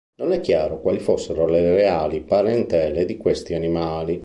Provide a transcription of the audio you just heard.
Non è chiaro quali fossero le reali parentele di questi animali.